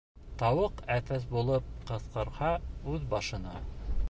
Тауыҡ әтәс булып ҡысҡырһа, үҙ башына.